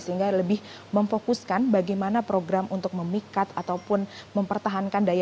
sehingga lebih memfokuskan bagaimana program untuk memikat ataupun mempertahankan daya